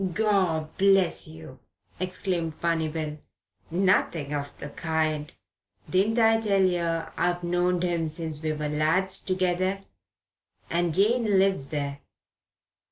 "Gor bless you," exclaimed Barney Bill. "Nothing of the kind. Didn't I tell yer I've knowed him since we was lads together? And Jane lives there."